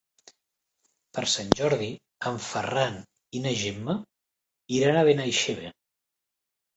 Per Sant Jordi en Ferran i na Gemma iran a Benaixeve.